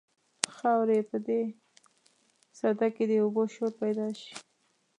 خاورې به په دې سده کې د اوبو شور پیدا شي.